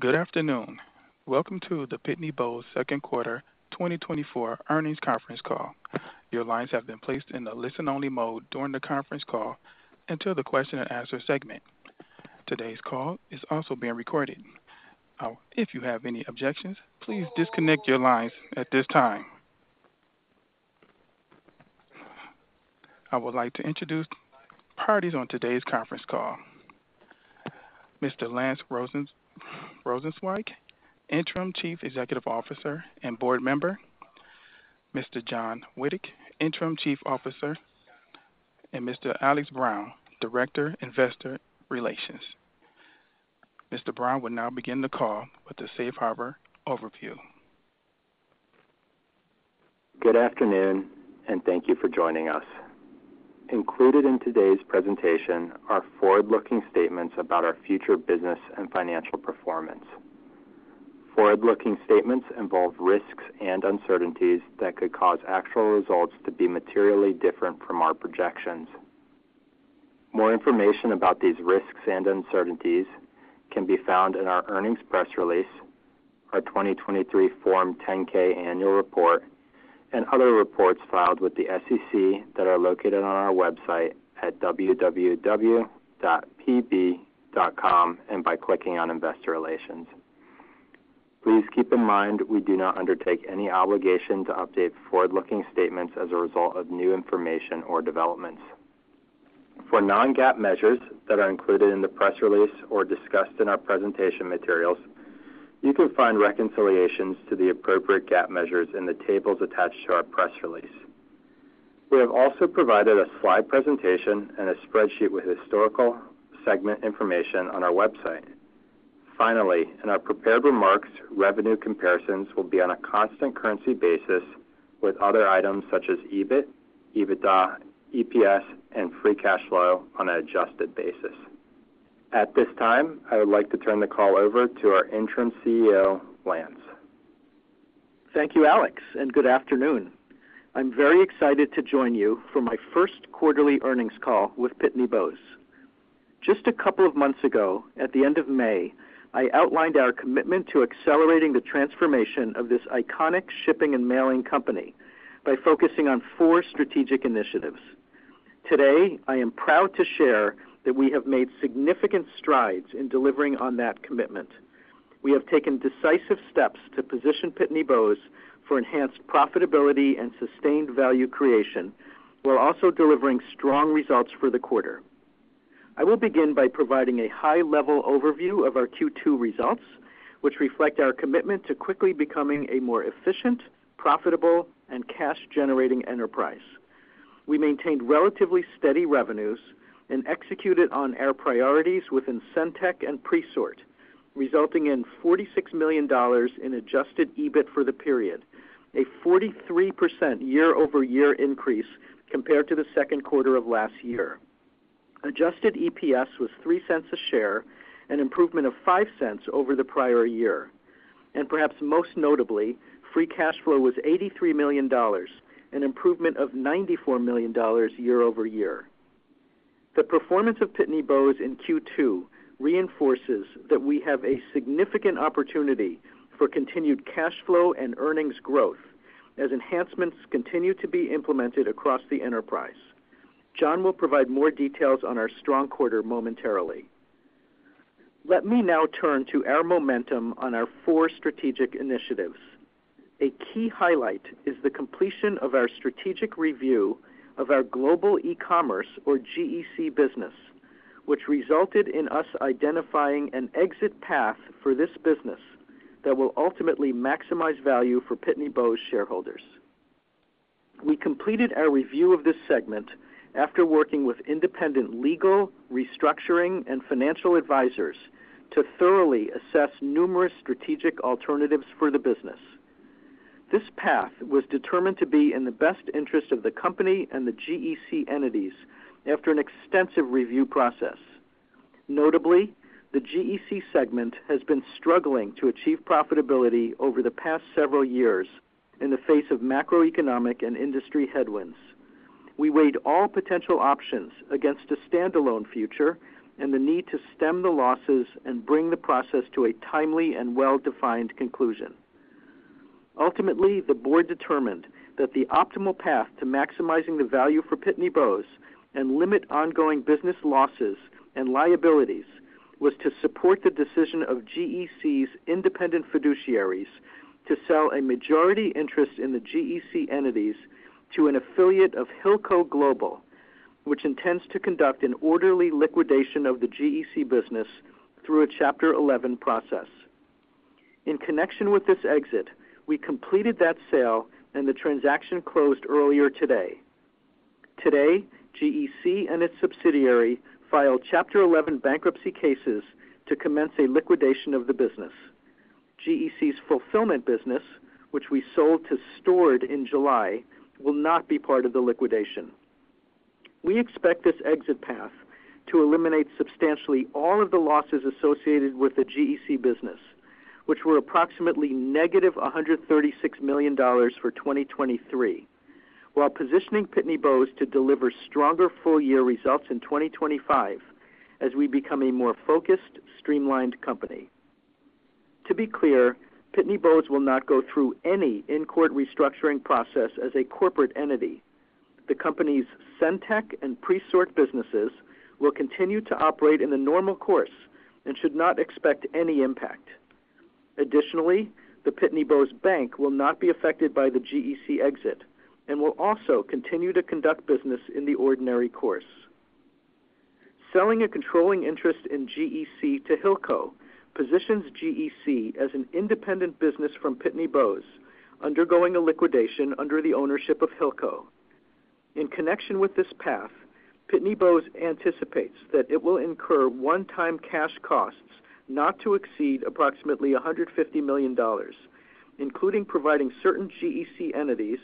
Good afternoon. Welcome to the Pitney Bowes second quarter 2024 earnings conference call. Your lines have been placed in the listen-only mode during the conference call until the question-and-answer segment. Today's call is also being recorded. If you have any objections, please disconnect your lines at this time. I would like to introduce parties on today's conference call. Mr. Lance Rosenzweig, Interim Chief Executive Officer and Board Member, Mr. John Wernig, Interim Chief Financial Officer, and Mr. Alex Brown, Director, Investor Relations. Mr. Brown will now begin the call with the Safe Harbor overview. Good afternoon, and thank you for joining us. Included in today's presentation are forward-looking statements about our future business and financial performance. Forward-looking statements involve risks and uncertainties that could cause actual results to be materially different from our projections. More information about these risks and uncertainties can be found in our earnings press release, our 2023 Form 10-K Annual Report, and other reports filed with the SEC that are located on our website at www.pb.com, and by clicking on Investor Relations. Please keep in mind, we do not undertake any obligation to update forward-looking statements as a result of new information or developments. For non-GAAP measures that are included in the press release or discussed in our presentation materials, you can find reconciliations to the appropriate GAAP measures in the tables attached to our press release. We have also provided a slide presentation and a spreadsheet with historical segment information on our website. Finally, in our prepared remarks, revenue comparisons will be on a constant currency basis, with other items such as EBIT, EBITDA, EPS, and free cash flow on an adjusted basis. At this time, I would like to turn the call over to our Interim CEO, Lance. Thank you, Alex, and good afternoon. I'm very excited to join you for my first quarterly earnings call with Pitney Bowes. Just a couple of months ago, at the end of May, I outlined our commitment to accelerating the transformation of this iconic shipping and mailing company by focusing on four strategic initiatives. Today, I am proud to share that we have made significant strides in delivering on that commitment. We have taken decisive steps to position Pitney Bowes for enhanced profitability and sustained value creation, while also delivering strong results for the quarter. I will begin by providing a high-level overview of our Q2 results, which reflect our commitment to quickly becoming a more efficient, profitable, and cash-generating enterprise. We maintained relatively steady revenues and executed on our priorities within SendTech and Presort, resulting in $46 million in adjusted EBIT for the period, a 43% year-over-year increase compared to the second quarter of last year. Adjusted EPS was $0.03 per share, an improvement of $0.05 over the prior year, and perhaps most notably, free cash flow was $83 million, an improvement of $94 million year-over-year. The performance of Pitney Bowes in Q2 reinforces that we have a significant opportunity for continued cash flow and earnings growth as enhancements continue to be implemented across the enterprise. John will provide more details on our strong quarter momentarily. Let me now turn to our momentum on our four strategic initiatives. A key highlight is the completion of our strategic review of our Global Ecommerce, or GEC, business, which resulted in us identifying an exit path for this business that will ultimately maximize value for Pitney Bowes shareholders. We completed our review of this segment after working with independent legal, restructuring, and financial advisors to thoroughly assess numerous strategic alternatives for the business. This path was determined to be in the best interest of the company and the GEC entities after an extensive review process. Notably, the GEC segment has been struggling to achieve profitability over the past several years in the face of macroeconomic and industry headwinds. We weighed all potential options against a standalone future and the need to stem the losses and bring the process to a timely and well-defined conclusion. Ultimately, the board determined that the optimal path to maximizing the value for Pitney Bowes and limit ongoing business losses and liabilities was to support the decision of GEC's independent fiduciaries to sell a majority interest in the GEC entities to an affiliate of Hilco Global, which intends to conduct an orderly liquidation of the GEC business through a Chapter 11 process. In connection with this exit, we completed that sale, and the transaction closed earlier today. Today, GEC and its subsidiary filed Chapter 11 bankruptcy cases to commence a liquidation of the business. GEC's fulfillment business, which we sold to Stord in July, will not be part of the liquidation. We expect this exit path to eliminate substantially all of the losses associated with the GEC business, which were approximately negative $136 million for 2023.... while positioning Pitney Bowes to deliver stronger full-year results in 2025 as we become a more focused, streamlined company. To be clear, Pitney Bowes will not go through any in-court restructuring process as a corporate entity. The company's SendTech and Presort businesses will continue to operate in the normal course and should not expect any impact. Additionally, the Pitney Bowes Bank will not be affected by the GEC exit and will also continue to conduct business in the ordinary course. Selling a controlling interest in GEC to Hilco positions GEC as an independent business from Pitney Bowes, undergoing a liquidation under the ownership of Hilco. In connection with this path, Pitney Bowes anticipates that it will incur one-time cash costs not to exceed approximately $150 million, including providing certain GEC entities,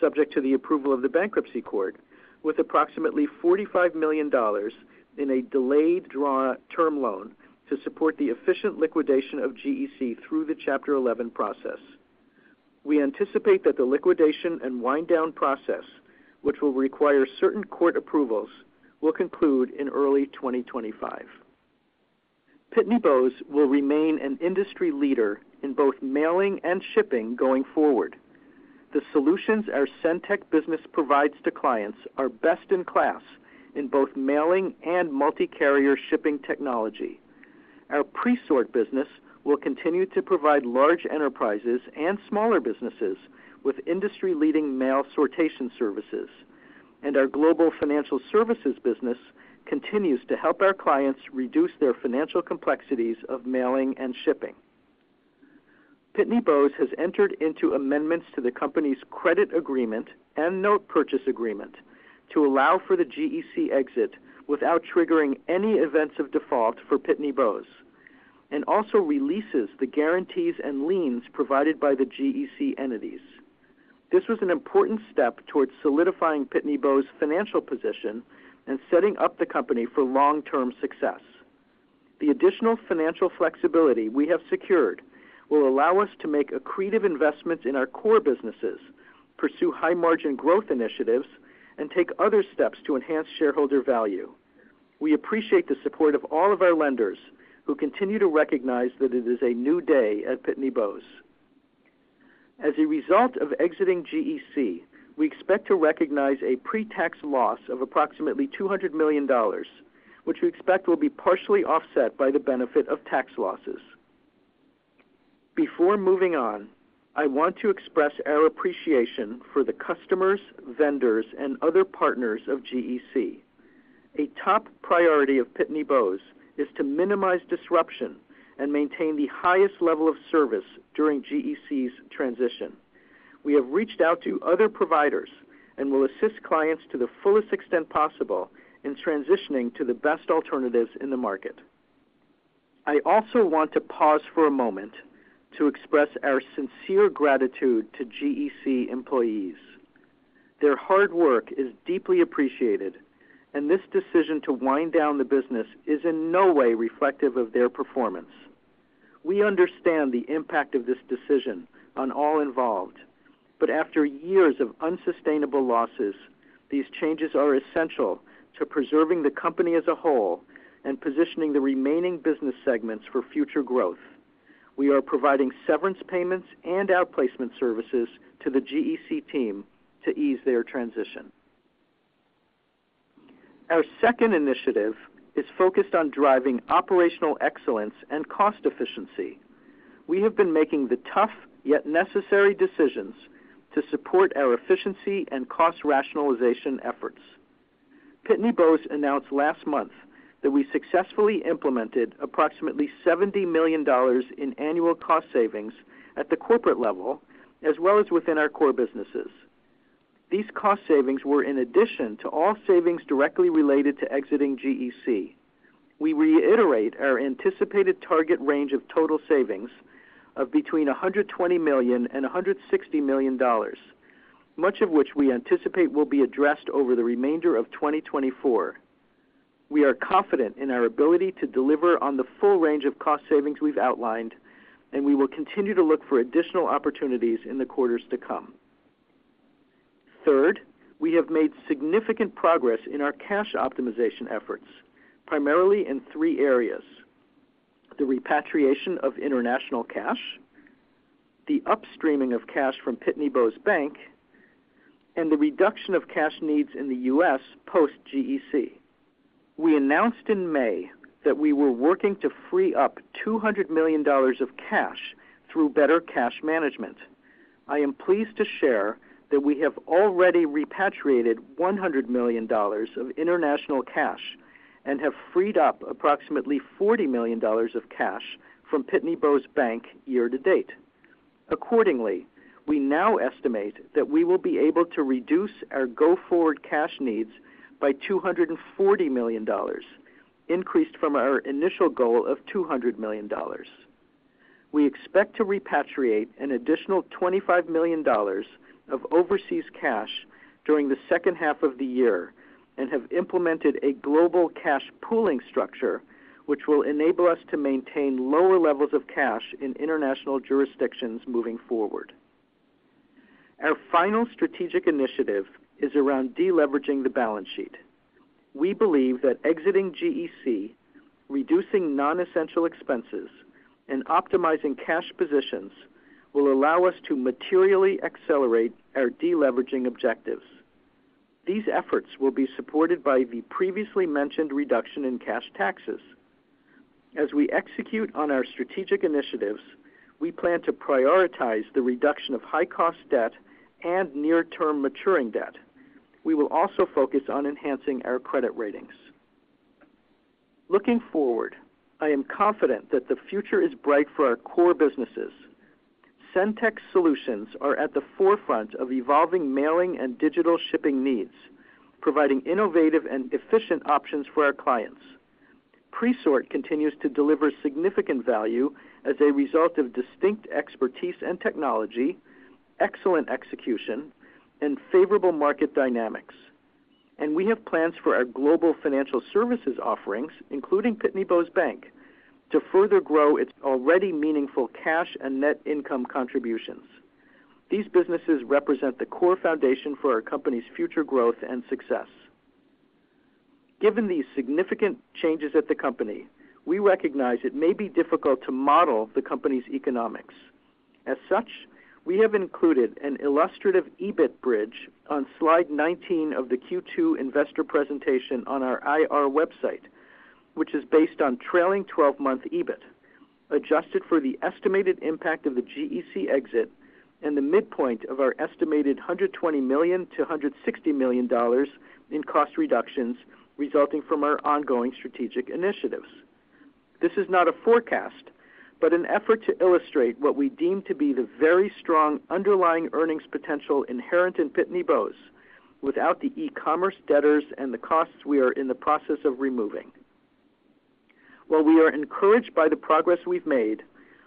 subject to the approval of the bankruptcy court, with approximately $45 million in a delayed draw term loan to support the efficient liquidation of GEC through the Chapter 11 process. We anticipate that the liquidation and wind down process, which will require certain court approvals, will conclude in early 2025. Pitney Bowes will remain an industry leader in both mailing and shipping going forward. The solutions our SendTech business provides to clients are best-in-class in both mailing and multi-carrier shipping technology. Our Presort business will continue to provide large enterprises and smaller businesses with industry-leading mail sortation services, and our Global Financial Services business continues to help our clients reduce their financial complexities of mailing and shipping. Pitney Bowes has entered into amendments to the company's credit agreement and note purchase agreement to allow for the GEC exit without triggering any events of default for Pitney Bowes, and also releases the guarantees and liens provided by the GEC entities. This was an important step towards solidifying Pitney Bowes' financial position and setting up the company for long-term success. The additional financial flexibility we have secured will allow us to make accretive investments in our core businesses, pursue high-margin growth initiatives, and take other steps to enhance shareholder value. We appreciate the support of all of our lenders, who continue to recognize that it is a new day at Pitney Bowes. As a result of exiting GEC, we expect to recognize a pre-tax loss of approximately $200 million, which we expect will be partially offset by the benefit of tax losses. Before moving on, I want to express our appreciation for the customers, vendors, and other partners of GEC. A top priority of Pitney Bowes is to minimize disruption and maintain the highest level of service during GEC's transition. We have reached out to other providers and will assist clients to the fullest extent possible in transitioning to the best alternatives in the market. I also want to pause for a moment to express our sincere gratitude to GEC employees. Their hard work is deeply appreciated, and this decision to wind down the business is in no way reflective of their performance. We understand the impact of this decision on all involved, but after years of unsustainable losses, these changes are essential to preserving the company as a whole and positioning the remaining business segments for future growth. We are providing severance payments and outplacement services to the GEC team to ease their transition. Our second initiative is focused on driving operational excellence and cost efficiency. We have been making the tough, yet necessary, decisions to support our efficiency and cost rationalization efforts. Pitney Bowes announced last month that we successfully implemented approximately $70 million in annual cost savings at the corporate level, as well as within our core businesses. These cost savings were in addition to all savings directly related to exiting GEC. We reiterate our anticipated target range of total savings of between $120 million and $160 million, much of which we anticipate will be addressed over the remainder of 2024. We are confident in our ability to deliver on the full range of cost savings we've outlined, and we will continue to look for additional opportunities in the quarters to come. Third, we have made significant progress in our cash optimization efforts, primarily in three areas: the repatriation of international cash, the upstreaming of cash from Pitney Bowes Bank, and the reduction of cash needs in the US post-GEC. We announced in May that we were working to free up $200 million of cash through better cash management. I am pleased to share that we have already repatriated $100 million of international cash and have freed up approximately $40 million of cash from Pitney Bowes Bank year to date. Accordingly, we now estimate that we will be able to reduce our go-forward cash needs by $240 million, increased from our initial goal of $200 million. We expect to repatriate an additional $25 million of overseas cash during the second half of the year and have implemented a global cash pooling structure, which will enable us to maintain lower levels of cash in international jurisdictions moving forward. Our final strategic initiative is around deleveraging the balance sheet. We believe that exiting GEC, reducing non-essential expenses, and optimizing cash positions will allow us to materially accelerate our deleveraging objectives. These efforts will be supported by the previously mentioned reduction in cash taxes. As we execute on our strategic initiatives, we plan to prioritize the reduction of high-cost debt and near-term maturing debt. We will also focus on enhancing our credit ratings. Looking forward, I am confident that the future is bright for our core businesses. SendTech Solutions are at the forefront of evolving mailing and digital shipping needs, providing innovative and efficient options for our clients. Presort continues to deliver significant value as a result of distinct expertise and technology, excellent execution, and favorable market dynamics. We have plans for our Global Financial Services offerings, including Pitney Bowes Bank, to further grow its already meaningful cash and net income contributions. These businesses represent the core foundation for our company's future growth and success. Given these significant changes at the company, we recognize it may be difficult to model the company's economics. As such, we have included an illustrative EBIT bridge on slide 19 of the Q2 investor presentation on our IR website, which is based on trailing 12-month EBIT, adjusted for the estimated impact of the GEC exit and the midpoint of our estimated $120 million-160 million in cost reductions resulting from our ongoing strategic initiatives. This is not a forecast, but an effort to illustrate what we deem to be the very strong underlying earnings potential inherent in Pitney Bowes without the e-commerce debtors and the costs we are in the process of removing. While we are encouraged by the progress we've made,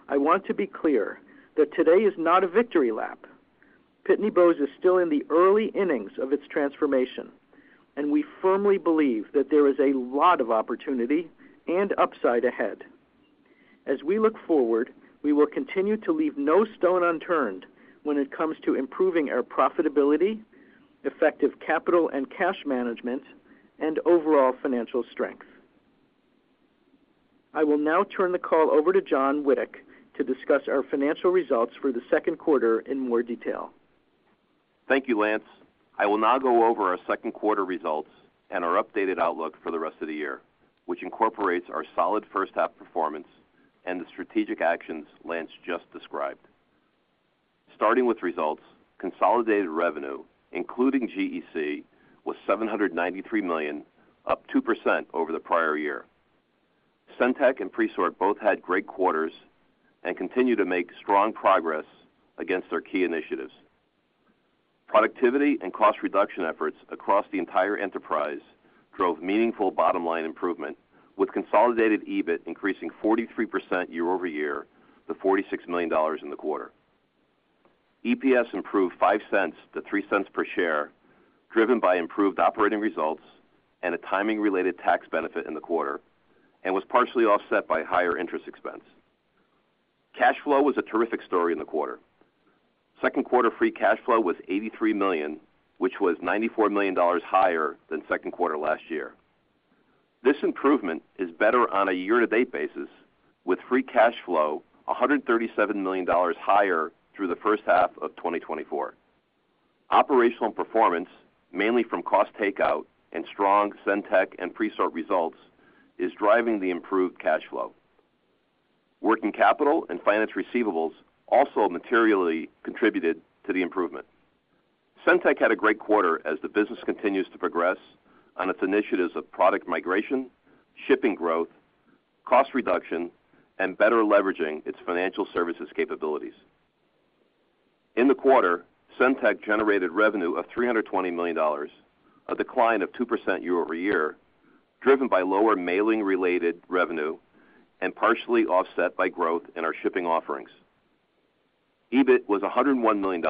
I want to be clear that today is not a victory lap. Pitney Bowes is still in the early innings of its transformation, and we firmly believe that there is a lot of opportunity and upside ahead. As we look forward, we will continue to leave no stone unturned when it comes to improving our profitability, effective capital and cash management, and overall financial strength. I will now turn the call over to John Wernig to discuss our financial results for the second quarter in more detail. Thank you, Lance. I will now go over our second quarter results and our updated outlook for the rest of the year, which incorporates our solid first half performance and the strategic actions Lance just described. Starting with results, consolidated revenue, including GEC, was $793 million, up 2% over the prior year. SendTech and Presort both had great quarters and continue to make strong progress against their key initiatives. Productivity and cost reduction efforts across the entire enterprise drove meaningful bottom line improvement, with consolidated EBIT increasing 43% year-over-year to $46 million in the quarter. EPS improved $0.05 to 0.03 per share, driven by improved operating results and a timing-related tax benefit in the quarter, and was partially offset by higher interest expense. Cash flow was a terrific story in the quarter. Second quarter free cash flow was $83 million, which was $94 million higher than second quarter last year. This improvement is better on a year-to-date basis, with free cash flow $137 million higher through the first half of 2024. Operational performance, mainly from cost takeout and strong SendTech and Presort results, is driving the improved cash flow. Working capital and finance receivables also materially contributed to the improvement. SendTech had a great quarter as the business continues to progress on its initiatives of product migration, shipping growth, cost reduction, and better leveraging its financial services capabilities. In the quarter, SendTech generated revenue of $320 million, a decline of 2% year-over-year, driven by lower mailing-related revenue and partially offset by growth in our shipping offerings. EBIT was $101 million,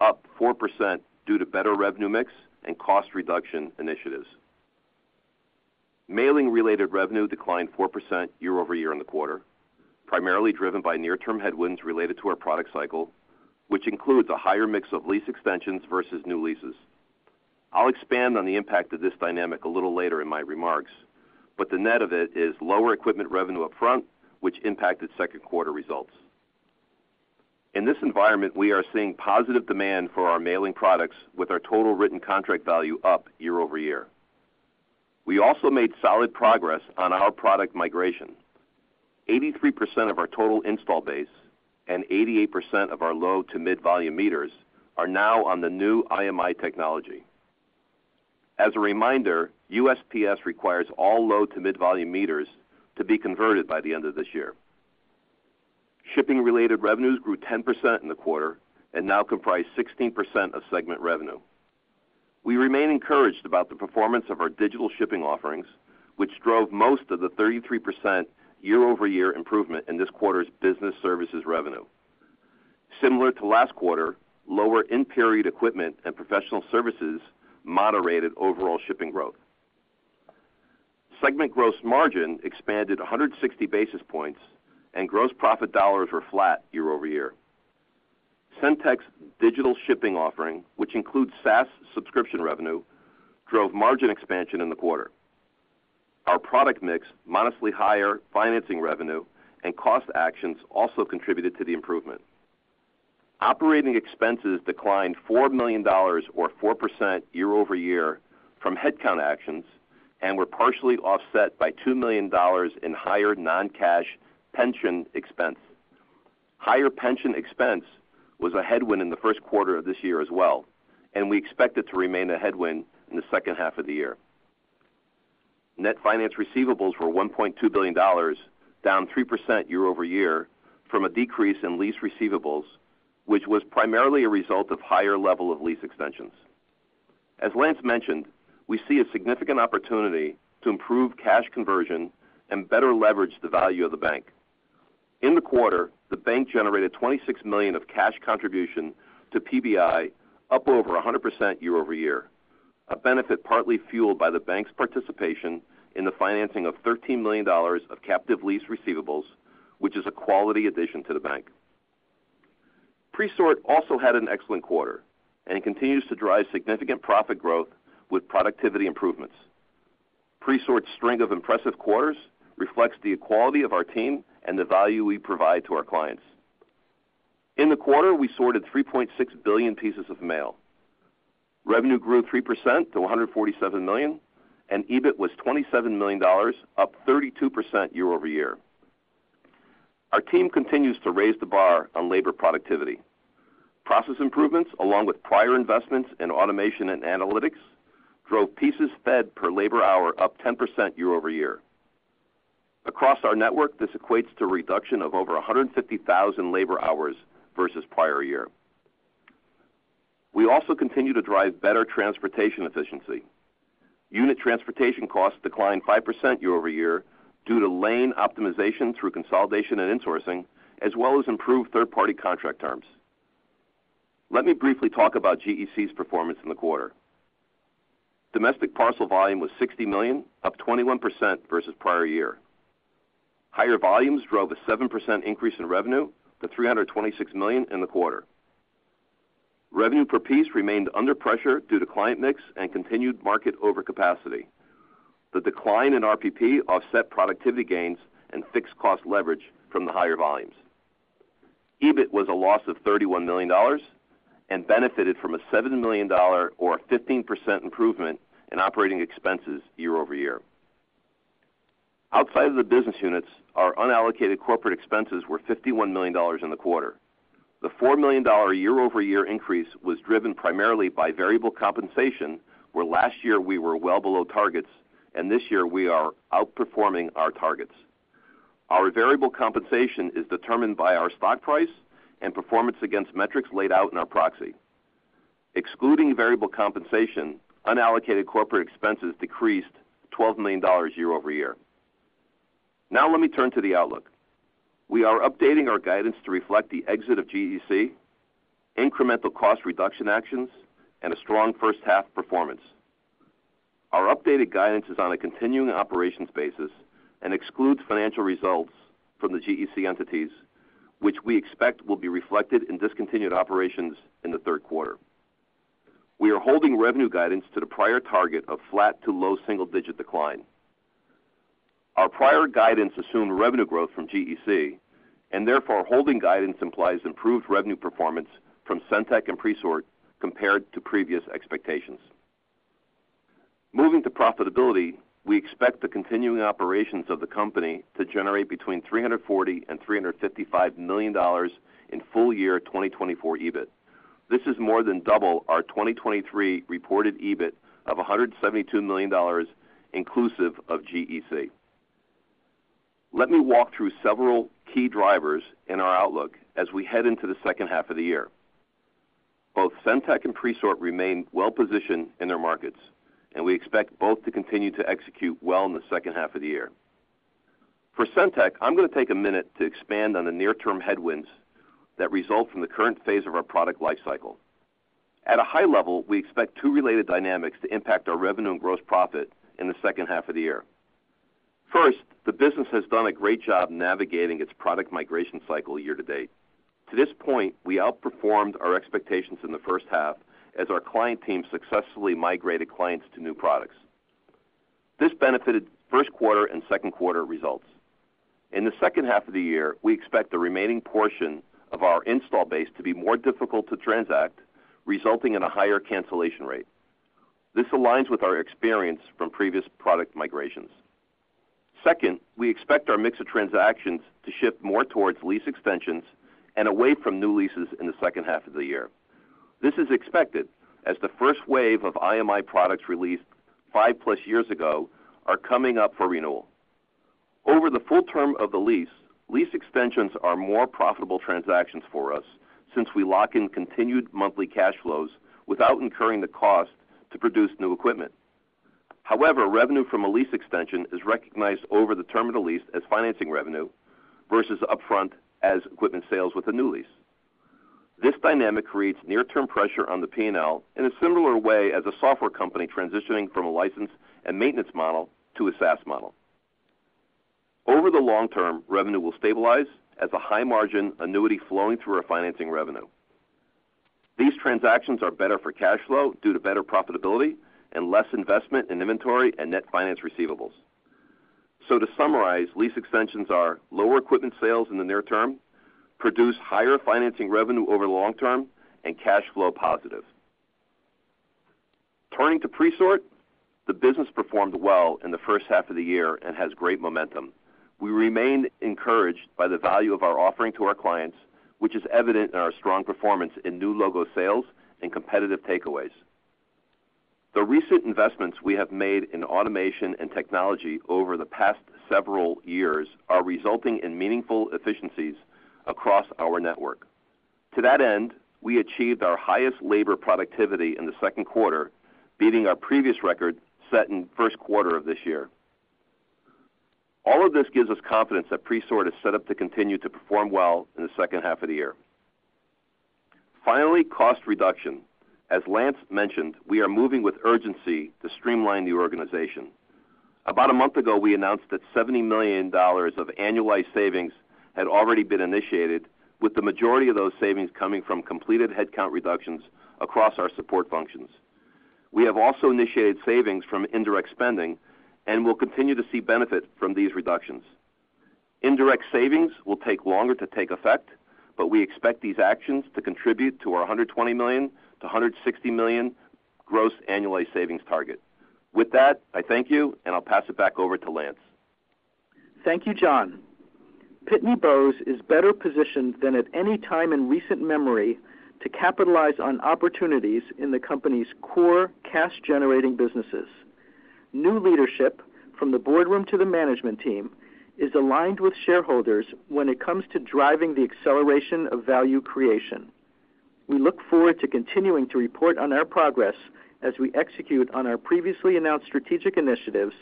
up 4% due to better revenue mix and cost reduction initiatives. Mailing-related revenue declined 4% year-over-year in the quarter, primarily driven by near-term headwinds related to our product cycle, which includes a higher mix of lease extensions versus new leases. I'll expand on the impact of this dynamic a little later in my remarks, but the net of it is lower equipment revenue upfront, which impacted second quarter results. In this environment, we are seeing positive demand for our mailing products, with our total written contract value up year-over-year. We also made solid progress on our product migration. 83% of our total install base and 88% of our low to mid-volume meters are now on the new IMI technology. As a reminder, USPS requires all low-to-mid-volume meters to be converted by the end of this year. Shipping-related revenues grew 10% in the quarter and now comprise 16% of segment revenue. We remain encouraged about the performance of our digital shipping offerings, which drove most of the 33% year-over-year improvement in this quarter's business services revenue.... Similar to last quarter, lower in-period equipment and professional services moderated overall shipping growth. Segment gross margin expanded 160 basis points, and gross profit dollars were flat year-over-year. SendTech's digital shipping offering, which includes SaaS subscription revenue, drove margin expansion in the quarter. Our product mix, modestly higher financing revenue, and cost actions also contributed to the improvement. Operating expenses declined $4 million or 4% year-over-year from headcount actions, and were partially offset by $2 million in higher non-cash pension expense. Higher pension expense was a headwind in the first quarter of this year as well, and we expect it to remain a headwind in the second half of the year. Net finance receivables were $1.2 billion, down 3% year-over-year from a decrease in lease receivables, which was primarily a result of higher level of lease extensions. As Lance mentioned, we see a significant opportunity to improve cash conversion and better leverage the value of the bank. In the quarter, the bank generated $26 million of cash contribution to PBI, up over 100% year-over-year, a benefit partly fueled by the bank's participation in the financing of $13 million of captive lease receivables, which is a quality addition to the bank. Presort also had an excellent quarter, and it continues to drive significant profit growth with productivity improvements. Presort's string of impressive quarters reflects the quality of our team and the value we provide to our clients. In the quarter, we sorted 3.6 billion pieces of mail. Revenue grew 3% to $147 million, and EBIT was $27 million, up 32% year-over-year. Our team continues to raise the bar on labor productivity. Process improvements, along with prior investments in automation and analytics, drove pieces fed per labor hour up 10% year-over-year. Across our network, this equates to a reduction of over 150,000 labor hours versus prior year. We also continue to drive better transportation efficiency. Unit transportation costs declined 5% year-over-year due to lane optimization through consolidation and insourcing, as well as improved third-party contract terms. Let me briefly talk about GEC's performance in the quarter. Domestic parcel volume was 60 million, up 21% versus prior year. Higher volumes drove a 7% increase in revenue to $326 million in the quarter. Revenue per piece remained under pressure due to client mix and continued market overcapacity. The decline in RPP offset productivity gains and fixed cost leverage from the higher volumes. EBIT was a loss of $31 million and benefited from a $7 million or a 15% improvement in operating expenses year-over-year. Outside of the business units, our unallocated corporate expenses were $51 million in the quarter. The $4 million year-over-year increase was driven primarily by variable compensation, where last year we were well below targets, and this year we are outperforming our targets. Our variable compensation is determined by our stock price and performance against metrics laid out in our proxy. Excluding variable compensation, unallocated corporate expenses decreased $12 million year-over-year. Now let me turn to the outlook. We are updating our guidance to reflect the exit of GEC, incremental cost reduction actions, and a strong first half performance. Our updated guidance is on a continuing operations basis and excludes financial results from the GEC entities, which we expect will be reflected in discontinued operations in the third quarter. We are holding revenue guidance to the prior target of flat to low single-digit decline. Our prior guidance assumed revenue growth from GEC, and therefore, holding guidance implies improved revenue performance from Centek and Presort compared to previous expectations. Moving to profitability, we expect the continuing operations of the company to generate between $340 million and $355 million in full year 2024 EBIT. This is more than double our 2023 reported EBIT of $172 million, inclusive of GEC. Let me walk through several key drivers in our outlook as we head into the second half of the year. Both Centek and Presort remain well-positioned in their markets, and we expect both to continue to execute well in the second half of the year. For Centek, I'm gonna take a minute to expand on the near-term headwinds that result from the current phase of our product life cycle. At a high level, we expect two related dynamics to impact our revenue and gross profit in the second half of the year. First, the business has done a great job navigating its product migration cycle year to date. To this point, we outperformed our expectations in the first half as our client team successfully migrated clients to new products. This benefited first quarter and second quarter results. In the second half of the year, we expect the remaining portion of our install base to be more difficult to transact, resulting in a higher cancellation rate. This aligns with our experience from previous product migrations. Second, we expect our mix of transactions to shift more towards lease extensions and away from new leases in the second half of the year. This is expected as the first wave of IMI products released 5+ years ago are coming up for renewal. Over the full term of the lease, lease extensions are more profitable transactions for us since we lock in continued monthly cash flows without incurring the cost to produce new equipment. However, revenue from a lease extension is recognized over the term of the lease as financing revenue versus upfront as equipment sales with a new lease. This dynamic creates near-term pressure on the P&L in a similar way as a software company transitioning from a license and maintenance model to a SaaS model. Over the long term, revenue will stabilize as a high-margin annuity flowing through our financing revenue. These transactions are better for cash flow due to better profitability and less investment in inventory and net finance receivables. So to summarize, lease extensions are lower equipment sales in the near term, produce higher financing revenue over the long term, and cash flow positive. Turning to Presort, the business performed well in the first half of the year and has great momentum. We remain encouraged by the value of our offering to our clients, which is evident in our strong performance in new logo sales and competitive takeaways. The recent investments we have made in automation and technology over the past several years are resulting in meaningful efficiencies across our network. To that end, we achieved our highest labor productivity in the second quarter, beating our previous record set in first quarter of this year. All of this gives us confidence that Presort is set up to continue to perform well in the second half of the year. Finally, cost reduction. As Lance mentioned, we are moving with urgency to streamline the organization. About a month ago, we announced that $70 million of annualized savings had already been initiated, with the majority of those savings coming from completed headcount reductions across our support functions. We have also initiated savings from indirect spending and will continue to see benefit from these reductions. Indirect savings will take longer to take effect, but we expect these actions to contribute to our $120 million-160 million gross annualized savings target. With that, I thank you, and I'll pass it back over to Lance. Thank you, John. Pitney Bowes is better positioned than at any time in recent memory to capitalize on opportunities in the company's core cash-generating businesses. New leadership, from the boardroom to the management team, is aligned with shareholders when it comes to driving the acceleration of value creation. We look forward to continuing to report on our progress as we execute on our previously announced strategic initiatives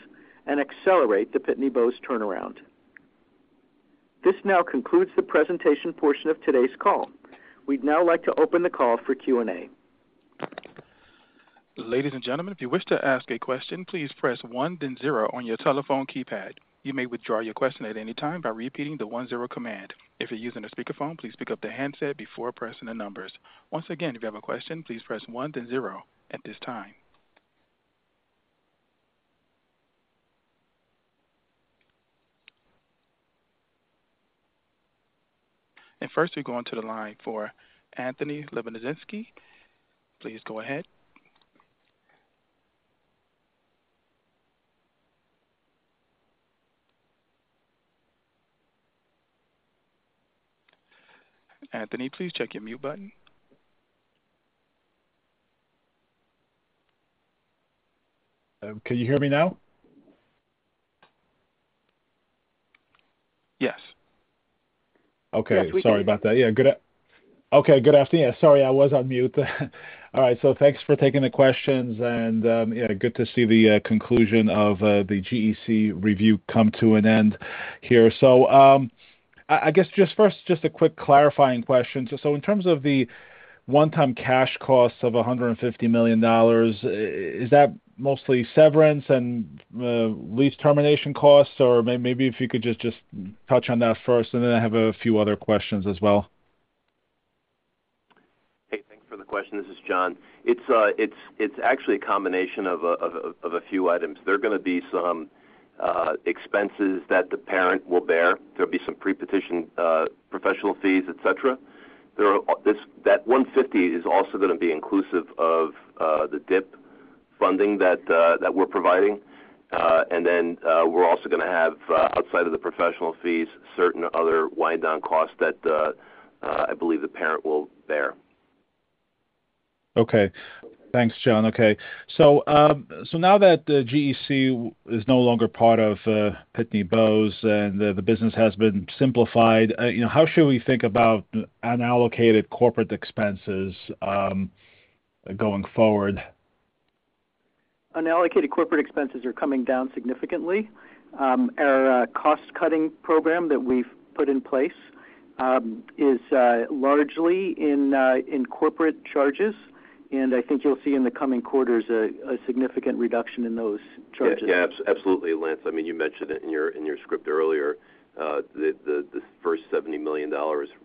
and accelerate the Pitney Bowes turnaround. This now concludes the presentation portion of today's call. We'd now like to open the call for Q&A. Ladies and gentlemen, if you wish to ask a question, please press one then zero on your telephone keypad. You may withdraw your question at any time by repeating the one-zero command. If you're using a speakerphone, please pick up the handset before pressing the numbers. Once again, if you have a question, please press one, then zero at this time. And first, we go onto the line for Anthony Lebiedzinski. Please go ahead. Anthony, please check your mute button. Can you hear me now? Yes. Okay. Sorry about that. Yeah. Good, okay, good afternoon. Sorry, I was on mute. All right, so thanks for taking the questions, and, yeah, good to see the conclusion of the GEC review come to an end here. So, I guess, just first, just a quick clarifying question. So in terms of the one-time cash cost of $150 million, is that mostly severance and lease termination costs? Or maybe if you could just touch on that first, and then I have a few other questions as well. Hey, thanks for the question. This is John. It's actually a combination of a few items. There are gonna be some expenses that the parent will bear. There'll be some pre-petition professional fees, et cetera. This, that $150 is also gonna be inclusive of the DIP funding that we're providing. And then, we're also gonna have, outside of the professional fees, certain other wind-down costs that I believe the parent will bear. Okay. Thanks, John. Okay. So now that the GEC is no longer part of Pitney Bowes and the business has been simplified, you know, how should we think about unallocated corporate expenses going forward? Unallocated corporate expenses are coming down significantly. Our cost-cutting program that we've put in place is largely in corporate charges, and I think you'll see in the coming quarters a significant reduction in those charges. Yeah, yeah, absolutely, Lance. I mean, you mentioned it in your script earlier, the first $70 million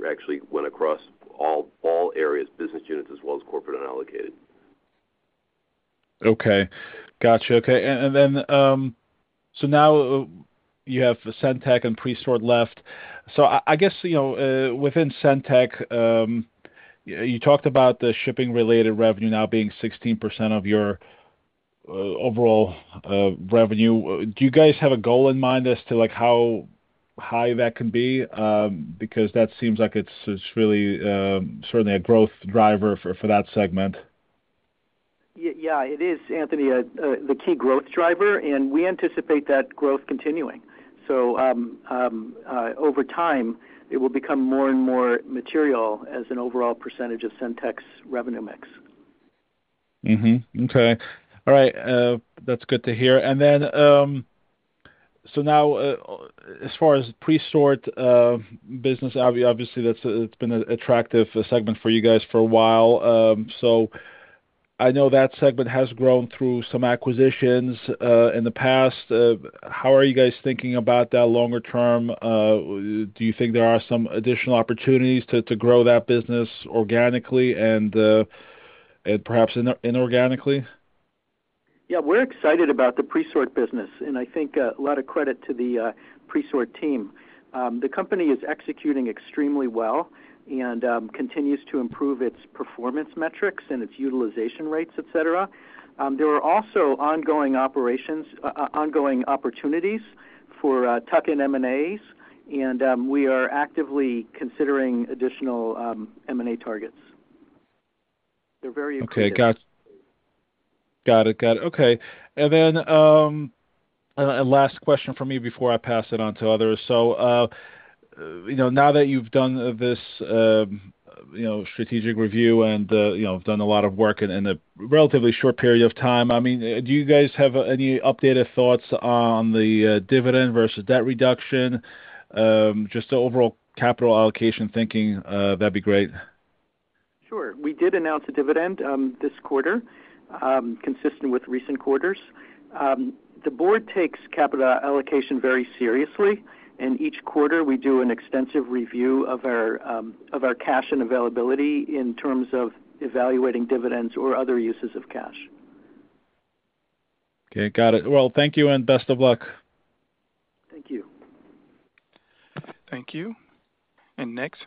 actually went across all areas, business units, as well as corporate unallocated. Okay. Gotcha. Okay. And, and then, so now you have Centek and Presort left. So I, I guess, you know, within Centek, you talked about the shipping-related revenue now being 16% of your overall revenue. Do you guys have a goal in mind as to, like, how high that can be? Because that seems like it's really certainly a growth driver for that segment. Yeah, it is, Anthony, the key growth driver, and we anticipate that growth continuing. So, over time, it will become more and more material as an overall percentage of SendTech revenue mix. Mm-hmm. Okay. All right, that's good to hear. And then, so now, as far as Presort business, obviously, that's, it's been an attractive segment for you guys for a while. So I know that segment has grown through some acquisitions in the past. How are you guys thinking about that longer term? Do you think there are some additional opportunities to grow that business organically and perhaps inorganically? Yeah, we're excited about the pre-sort business, and I think, a lot of credit to the pre-sort team. The company is executing extremely well and continues to improve its performance metrics and its utilization rates, et cetera. There are also ongoing opportunities for tuck-in M&As, and we are actively considering additional M&A targets. They're very excited. Okay, got it. Got it. Okay. And then, and last question from me before I pass it on to others. So, you know, now that you've done this, you know, strategic review and, you know, done a lot of work in a relatively short period of time, I mean, do you guys have any updated thoughts on the dividend versus debt reduction? Just the overall capital allocation thinking, that'd be great. Sure. We did announce a dividend, this quarter, consistent with recent quarters. The board takes capital allocation very seriously, and each quarter we do an extensive review of our cash and availability in terms of evaluating dividends or other uses of cash. Okay, got it. Well, thank you and best of luck. Thank you. Thank you. Next,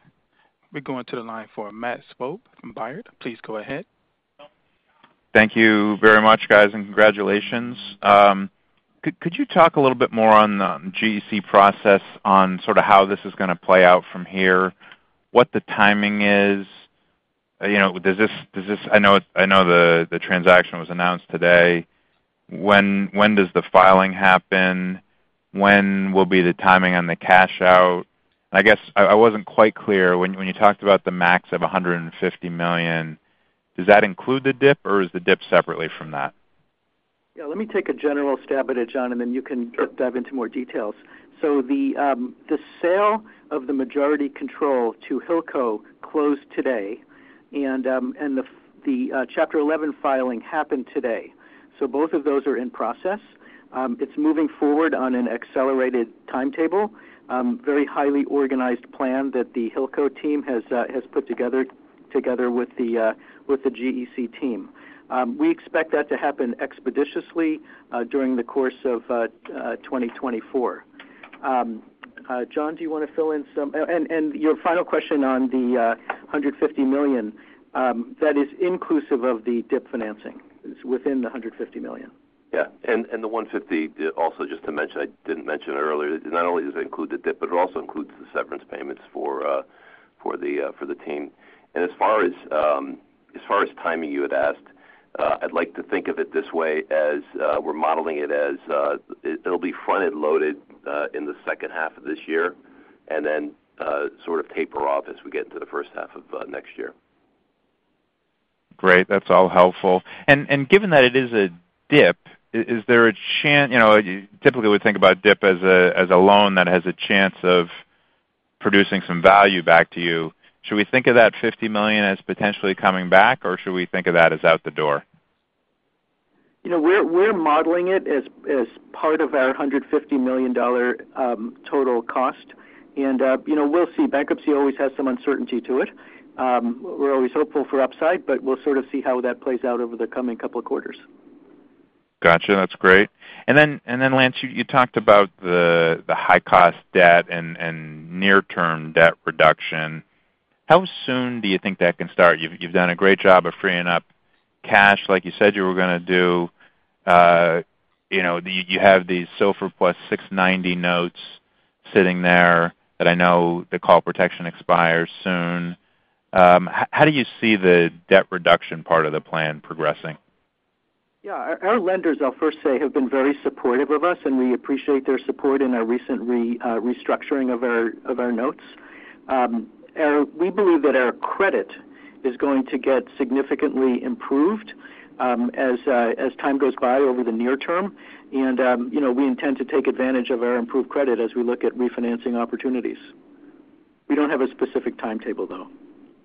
we go into the line for Matt Swope from Baird. Please go ahead. Thank you very much, guys, and congratulations. Could you talk a little bit more on GEC process, on sort of how this is gonna play out from here? What the timing is? You know, does this-- I know the transaction was announced today. When does the filing happen? When will be the timing on the cash out? I guess I wasn't quite clear when you talked about the max of $150 million, does that include the DIP, or is the DIP separately from that? Yeah, let me take a general stab at it, John, and then you can- Sure. Dive into more details. So the sale of the majority control to Hilco closed today, and the Chapter 11 filing happened today. So both of those are in process. It's moving forward on an accelerated timetable, very highly organized plan that the Hilco team has put together together with the GEC team. We expect that to happen expeditiously during the course of 2024. John, do you wanna fill in some... And your final question on the $150 million, that is inclusive of the DIP financing. It's within the $150 million. Yeah, and the $150, also, just to mention, I didn't mention earlier, not only does it include the DIP, but it also includes the severance payments for, for the, for the team. And as far as timing, you had asked, I'd like to think of it this way, as we're modeling it as it'll be front-ended loaded in the second half of this year, and then sort of taper off as we get into the first half of next year. Great, that's all helpful. And given that it is a DIP, is there a chance—you know, typically, we think about DIP as a, as a loan that has a chance of producing some value back to you. Should we think of that $50 million as potentially coming back, or should we think of that as out the door? You know, we're modeling it as part of our $150 million total cost, and you know, we'll see. Bankruptcy always has some uncertainty to it. We're always hopeful for upside, but we'll sort of see how that plays out over the coming couple of quarters. Gotcha, that's great. And then, Lance, you talked about the high-cost debt and near-term debt reduction. How soon do you think that can start? You've done a great job of freeing up cash like you said you were gonna do. You know, you have these SOFR plus 690 notes sitting there that I know the call protection expires soon. How do you see the debt reduction part of the plan progressing? Yeah. Our lenders, I'll first say, have been very supportive of us, and we appreciate their support in our recent restructuring of our notes. Our—we believe that our credit is going to get significantly improved, as time goes by over the near term. And, you know, we intend to take advantage of our improved credit as we look at refinancing opportunities. We don't have a specific timetable, though.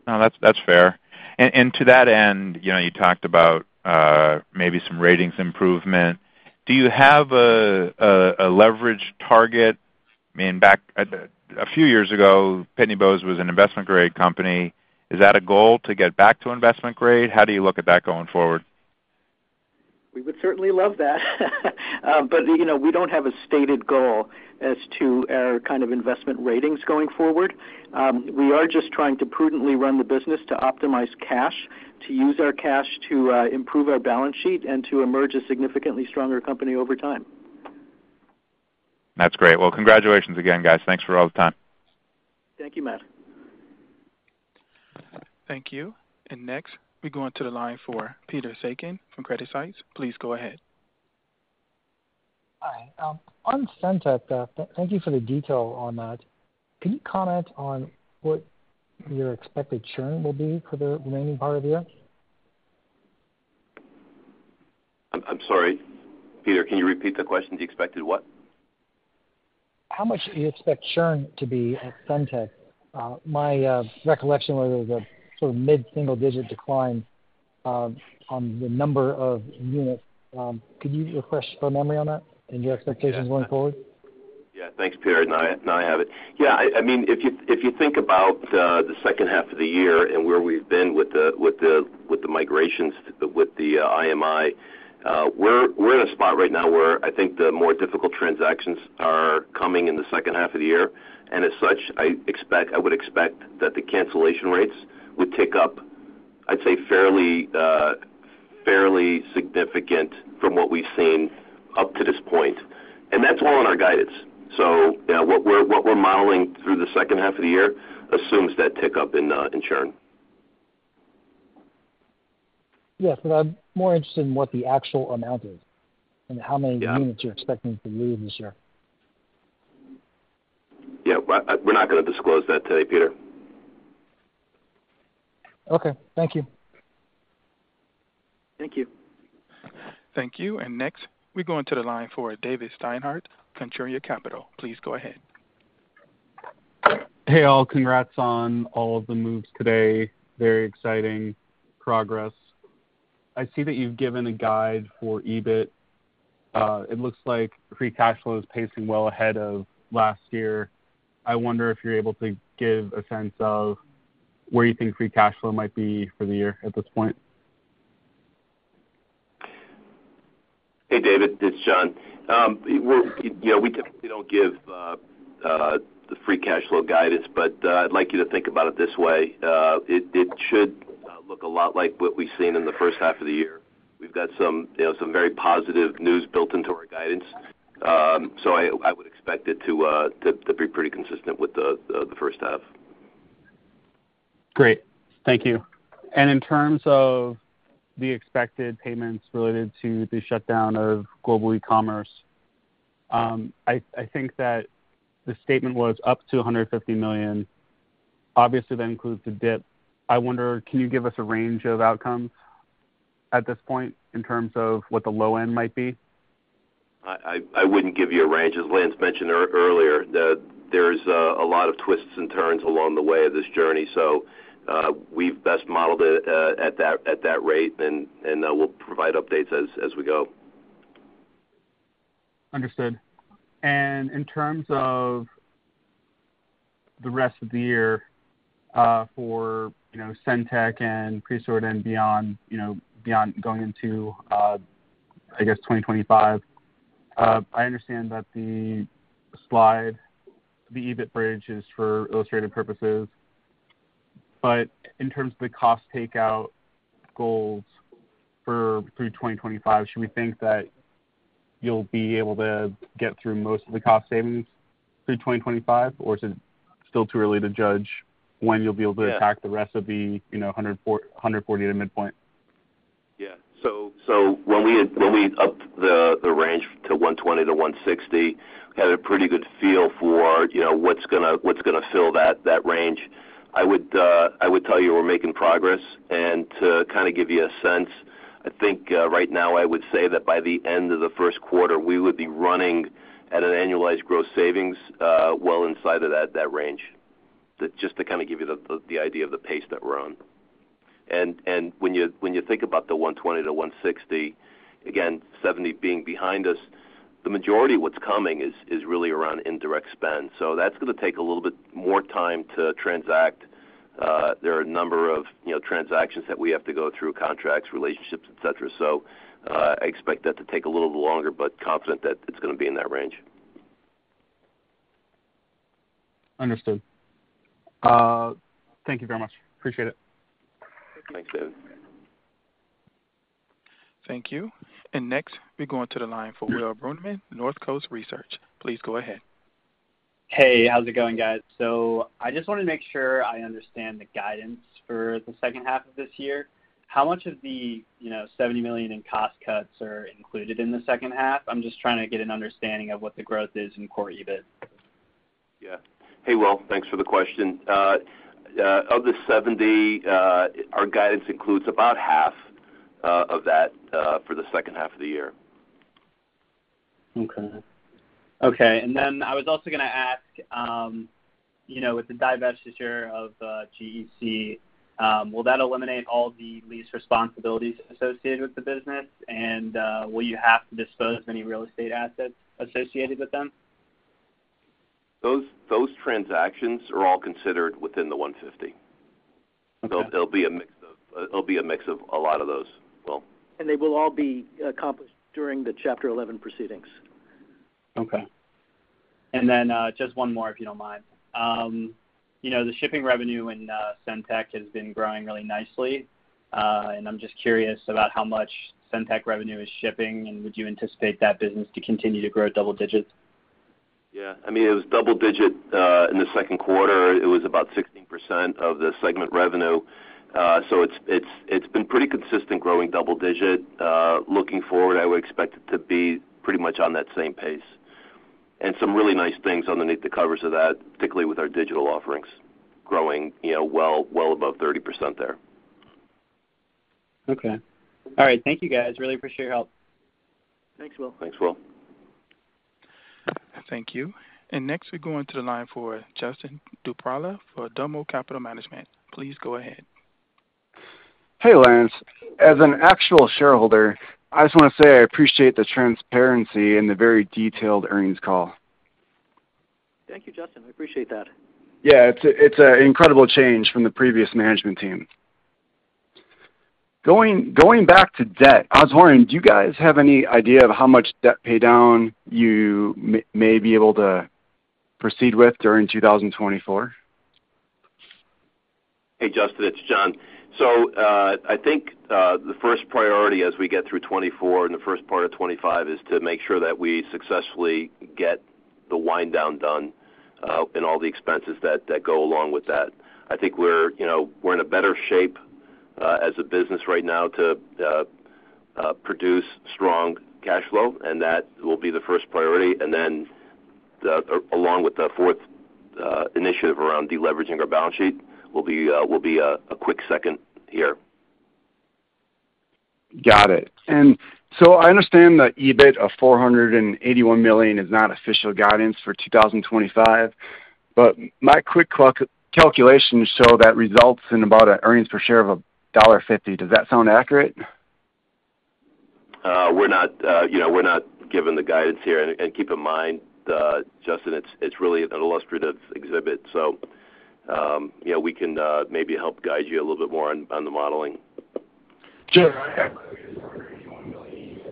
No, that's fair. And to that end, you know, you talked about maybe some ratings improvement. Do you have a leverage target? I mean, back a few years ago, Pitney Bowes was an investment-grade company. Is that a goal, to get back to investment grade? How do you look at that going forward? We would certainly love that. But, you know, we don't have a stated goal as to our kind of investment ratings going forward. We are just trying to prudently run the business to optimize cash, to use our cash to improve our balance sheet and to emerge a significantly stronger company over time. That's great. Well, congratulations again, guys. Thanks for all the time. Thank you, Matt. Thank you. And next, we go onto the line for Peter Sakon from CreditSights. Please go ahead. Hi. On SendTech, thank you for the detail on that. Can you comment on what your expected churn will be for the remaining part of the year? I'm sorry, Peter, can you repeat the question? The expected what? How much do you expect churn to be at SendTech? My recollection was a sort of mid-single digit decline on the number of units. Could you refresh our memory on that and your expectations going forward? Yeah, thanks, Peter. Now I have it. Yeah, I mean, if you think about the second half of the year and where we've been with the migrations, with the IMI, we're in a spot right now where I think the more difficult transactions are coming in the second half of the year. And as such, I expect, I would expect that the cancellation rates would tick up, I'd say fairly significant from what we've seen up to this point. And that's all in our guidance. So yeah, what we're modeling through the second half of the year assumes that tick up in churn. Yes, but I'm more interested in what the actual amount is and how many- Yeah. -units you're expecting to leave this year. Yeah, but, we're not gonna disclose that today, Peter. Okay. Thank you. Thank you. Thank you. Next, we go onto the line for David Steinhardt, Centuria Capital. Please go ahead. Hey, all. Congrats on all of the moves today. Very exciting progress. I see that you've given a guide for EBIT. It looks like free cash flow is pacing well ahead of last year. I wonder if you're able to give a sense of where you think free cash flow might be for the year at this point? Hey, David, it's John. We'll... You know, we typically don't give the free cash flow guidance, but I'd like you to think about it this way. It should look a lot like what we've seen in the first half of the year. We've got some, you know, some very positive news built into our guidance. So I would expect it to be pretty consistent with the first half. Great. Thank you. And in terms of the expected payments related to the shutdown of Global Ecommerce, I think that the statement was up to $150 million. Obviously, that includes the DIP. I wonder, can you give us a range of outcomes at this point in terms of what the low end might be? I wouldn't give you a range. As Lance mentioned earlier, there's a lot of twists and turns along the way of this journey, so we've best modeled it at that rate, and we'll provide updates as we go. Understood. And in terms of the rest of the year, for, you know, SendTech and Presort and beyond, you know, beyond going into, I guess 2025, I understand that the slide, the EBIT bridge, is for illustrative purposes. But in terms of the cost takeout goals for through 2025, should we think that you'll be able to get through most of the cost savings through 2025, or is it still too early to judge when you'll be able to- Yeah... attack the rest of the, you know, 104-140 to midpoint? Yeah. So when we upped the range to $120-160, we had a pretty good feel for, you know, what's gonna fill that range. I would tell you we're making progress. And to kind of give you a sense, I think right now, I would say that by the end of the first quarter, we would be running at an annualized gross savings well inside of that range. Just to kind of give you the idea of the pace that we're on. And when you think about the $120-160, again, 70 being behind us, the majority of what's coming is really around indirect spend. So that's gonna take a little bit more time to transact. There are a number of, you know, transactions that we have to go through, contracts, relationships, et cetera. So, I expect that to take a little longer, but confident that it's gonna be in that range. Understood. Thank you very much. Appreciate it. Thanks, David. Thank you. Next, we go onto the line for Will Brunemann, Northcoast Research. Please go ahead. Hey, how's it going, guys? So I just wanna make sure I understand the guidance for the second half of this year. How much of the, you know, $70 million in cost cuts are included in the second half? I'm just trying to get an understanding of what the growth is in core EBIT. Yeah. Hey, Will, thanks for the question. Of the $70, our guidance includes about half of that for the second half of the year. Okay. Okay, and then I was also gonna ask, you know, with the divestiture of GEC, will that eliminate all the lease responsibilities associated with the business? And, will you have to dispose any real estate assets associated with them? Those transactions are all considered within the $150. Okay. It'll be a mix of a lot of those, Will. They will all be accomplished during the Chapter Eleven proceedings. Okay. And then, just one more, if you don't mind. You know, the shipping revenue in SendTech has been growing really nicely, and I'm just curious about how much SendTech revenue is shipping, and would you anticipate that business to continue to grow at double digits? ... Yeah, I mean, it was double-digit in the second quarter. It was about 16% of the segment revenue. So it's been pretty consistent, growing double-digit. Looking forward, I would expect it to be pretty much on that same pace. And some really nice things underneath the covers of that, particularly with our digital offerings growing, you know, well above 30% there. Okay. All right. Thank you, guys. Really appreciate your help. Thanks, Will. Thanks, Will. Thank you. Next, we go into the line for Justin Dopierala for Domo Capital Management. Please go ahead. Hey, Lance. As an actual shareholder, I just want to say I appreciate the transparency and the very detailed earnings call. Thank you, Justin. I appreciate that. Yeah, it's an incredible change from the previous management team. Going back to debt, Rosenzweig, do you guys have any idea of how much debt pay down you may be able to proceed with during 2024? Hey, Justin, it's John. So, I think the first priority as we get through 2024 and the first part of 2025 is to make sure that we successfully get the wind down done and all the expenses that go along with that. I think we're, you know, we're in a better shape as a business right now to produce strong cash flow, and that will be the first priority. And then, along with the fourth initiative around deleveraging our balance sheet, will be a quick second here. Got it. And so I understand that EBIT of $481 million is not official guidance for 2025, but my quick calculation show that results in about an earnings per share of $1.50. Does that sound accurate? We're not, you know, we're not given the guidance here. And keep in mind, Justin, it's really an illustrative exhibit, so, you know, we can maybe help guide you a little bit more on the modeling. Sure.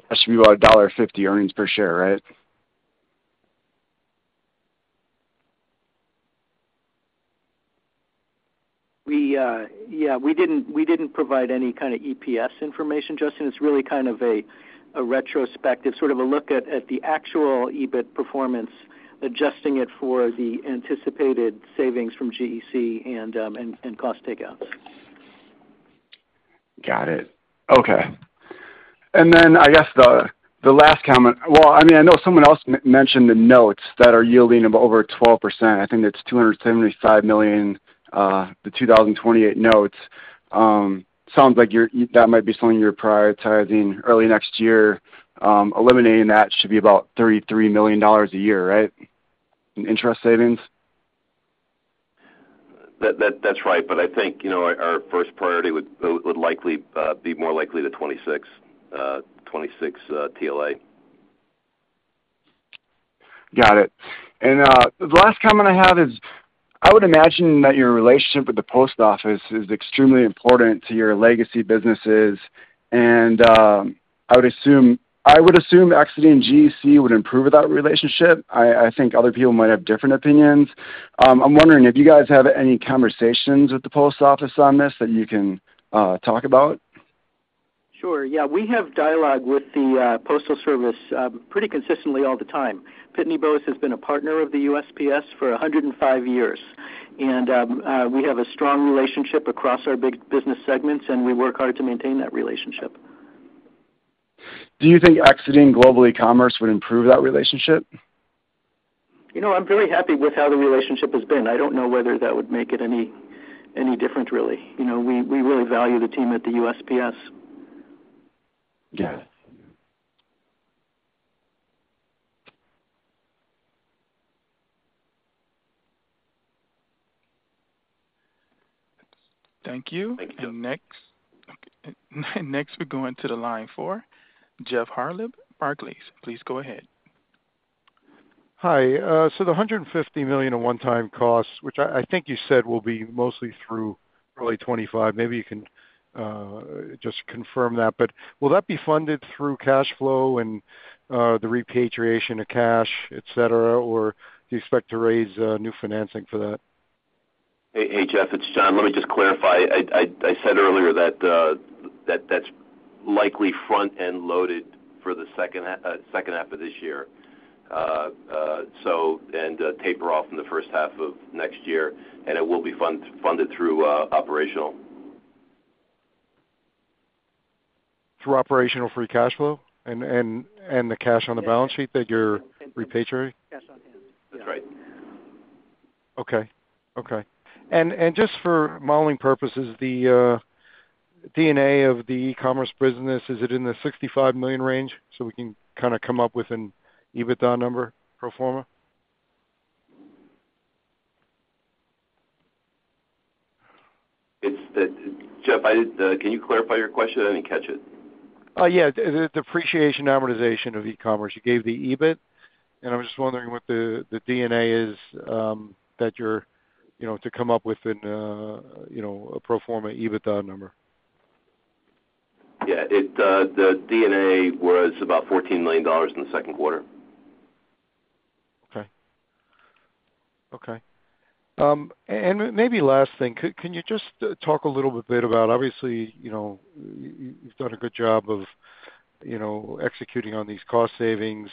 That should be about $1.50 earnings per share, right? We, yeah, we didn't provide any kind of EPS information, Justin. It's really kind of a retrospective, sort of a look at the actual EBIT performance, adjusting it for the anticipated savings from GEC and cost takeouts. Got it. Okay. And then I guess the last comment. Well, I mean, I know someone else mentioned the notes that are yielding of over 12%. I think it's $275 million, the 2028 notes. Sounds like you're, that might be something you're prioritizing early next year. Eliminating that should be about $33 million a year, right? In interest savings. That's right, but I think, you know, our first priority would likely be more likely the 2026 TLA. Got it. And, the last comment I have is, I would imagine that your relationship with the post office is extremely important to your legacy businesses, and, I would assume exiting GEC would improve that relationship. I think other people might have different opinions. I'm wondering if you guys have any conversations with the post office on this, that you can talk about? Sure. Yeah, we have dialogue with the postal service pretty consistently all the time. Pitney Bowes has been a partner of the USPS for 105 years, and we have a strong relationship across our big business segments, and we work hard to maintain that relationship. Do you think exiting Global Ecommerce would improve that relationship? You know, I'm very happy with how the relationship has been. I don't know whether that would make it any, any different, really. You know, we, we really value the team at the USPS. Yeah. Thank you. Thank you. Next, we go into the line for Jeff Harlib, Barclays. Please go ahead. Hi. So the $150 million in one-time costs, which I, I think you said will be mostly through early 2025. Maybe you can just confirm that. But will that be funded through cash flow and the repatriation of cash, et cetera, or do you expect to raise new financing for that? Hey, hey, Jeff, it's John. Let me just clarify. I said earlier that that's likely front-end loaded for the second half of this year. So and taper off in the first half of next year, and it will be funded through operational. Through operational free cash flow and the cash on the balance sheet that you're repatriating? That's right. Okay. Okay. And just for modeling purposes, the D&A of the e-commerce business, is it in the $65 million range, so we can kind of come up with an EBITDA number pro forma? Jeff, I didn't. Can you clarify your question? I didn't catch it. Yeah, the depreciation and amortization of e-commerce. You gave the EBIT, and I'm just wondering what the D&A is that you're, you know, to come up with a pro forma EBITDA number. Yeah, the D&A was about $14 million in the second quarter. Okay. Okay. And maybe last thing, can you just talk a little bit about obviously, you know, you've done a good job of, you know, executing on these cost savings.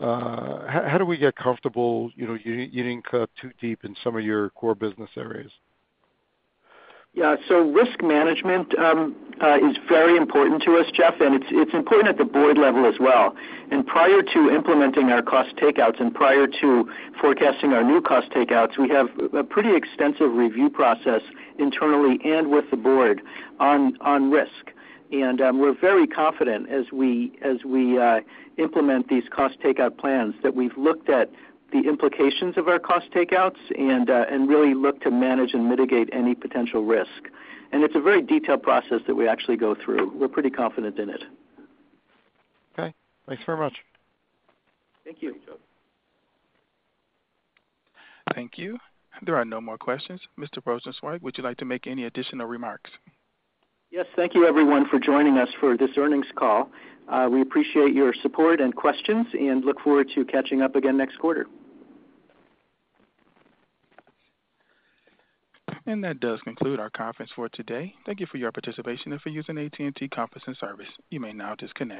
How do we get comfortable, you know, you didn't cut too deep in some of your core business areas? Yeah, so risk management is very important to us, Jeff, and it's important at the board level as well. Prior to implementing our cost takeouts and prior to forecasting our new cost takeouts, we have a pretty extensive review process internally and with the board on risk. We're very confident as we implement these cost takeout plans, that we've looked at the implications of our cost takeouts and really look to manage and mitigate any potential risk. It's a very detailed process that we actually go through. We're pretty confident in it. Okay, thanks very much. Thank you. Thank you. There are no more questions. Mr. Rosenzweig, would you like to make any additional remarks? Yes. Thank you, everyone, for joining us for this earnings call. We appreciate your support and questions, and look forward to catching up again next quarter. That does conclude our conference for today. Thank you for your participation and for using AT&T Conference service. You may now disconnect.